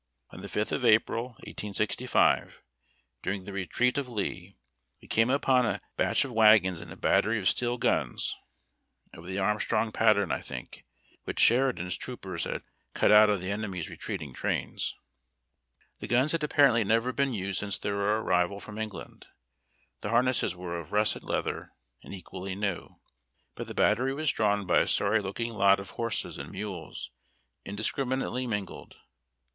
On the 5th of April, 1865, during the retreat of Lee, we came upon a batch of wagons and a battery of steel guns, of the Arm THE ARMY AtULE. 293 strong pattern, I think, which Sheridan's troopers had cut out of the enemy's retreating trains. The guns had appar ently never been used since their arrival from England. The harnesses were of russet leather and equally new ; but the battery was drawn by a sorry looking lot of horses and mules, indiscriminately mingled.